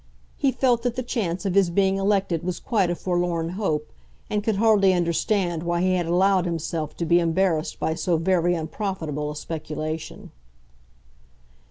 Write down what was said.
He felt that the chance of his being elected was quite a forlorn hope, and could hardly understand why he had allowed himself to be embarrassed by so very unprofitable a speculation.